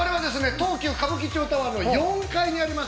東急歌舞伎町タワーの４階にあります